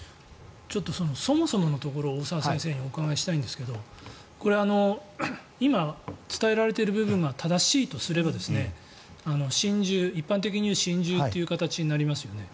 そもそものところを大澤先生にお伺いしたいんですがこれ、今、伝えられている部分が正しいとすれば一般的に言われる心中という形になりますよね。